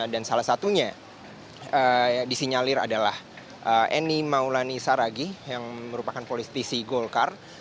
dan salah satunya yang disinyalir adalah eni maulani saragi yang merupakan polisisi golkar